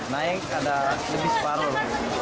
naik ada lebih separuh